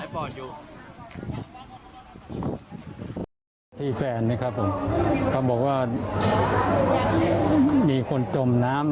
ที่แฟนนี่ครับผมเขาบอกว่ามีคนจมน้ำ